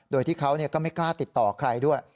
โดยที่เขาก็ไม่กล้าติดต่อใครด้วย